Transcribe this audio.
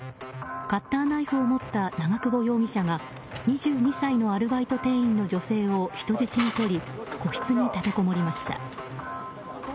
カッターナイフを持った長久保容疑者が２２歳のアルバイト店員の女性を人質に取り個室に立てこもりました。